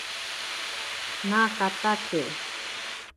Naakatake.